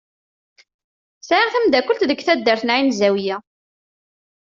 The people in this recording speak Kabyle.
Sɛiɣ tameddakelt deg taddart n Ɛin Zawiya.